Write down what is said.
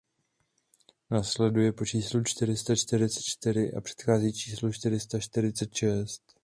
Následuje po číslu čtyři sta čtyřicet čtyři a předchází číslu čtyři sta čtyřicet šest.